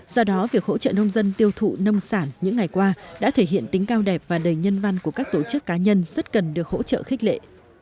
do đó việc hỗ trợ nông dân tiêu thụ nông sản những ngày qua đã thể hiện tính cao đẹp và đầy nhân văn của các tổ chức cá nhân rất cần được hỗ trợ khích lệ